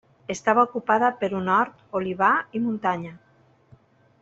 Estava ocupada per un hort, olivar i muntanya.